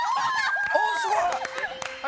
おすごい！